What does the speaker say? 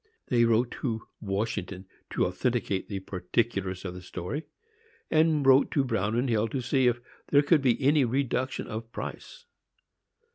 They wrote to Washington to authenticate the particulars of the story, and wrote to Bruin and Hill to see if there could be any reduction of price.